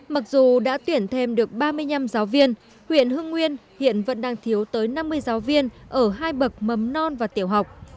mặc dù đã tuyển thêm được ba mươi năm giáo viên huyện hưng nguyên hiện vẫn đang thiếu tới năm mươi giáo viên ở hai bậc mầm non và tiểu học